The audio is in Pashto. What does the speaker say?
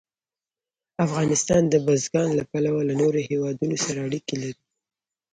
افغانستان د بزګان له پلوه له نورو هېوادونو سره اړیکې لري.